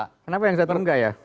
kenapa yang saya terunggah ya